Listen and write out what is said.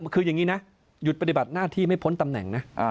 คืออย่างนี้นะหยุดปฏิบัติหน้าที่ไม่พ้นตำแหน่งนะ